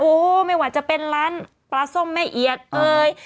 โอ้โหไม่ว่าจะเป็นร้านปลาส้มแม่เอียดเอ่ย